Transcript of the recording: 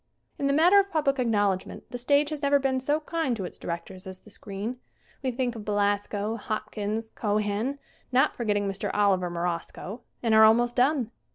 In the matter of public acknowledgement the stage has never been so kind to its directors as the screen. We think of Belasco, Hopkins, Cohan, not forgetting Mr. Oliver Morosco, and are almost done.